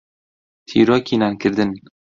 تیرۆکی نانکردن.